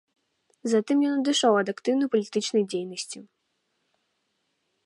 Затым ён адышоў ад актыўнай палітычнай дзейнасці.